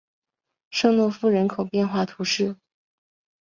舍诺夫人口变化图示